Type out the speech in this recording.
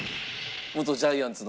元ジャイアンツの？